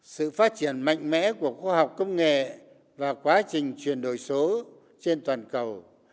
sự phát triển mạnh mẽ của khoa học công nghệ và quá trình chuyển đổi số trên toàn cầu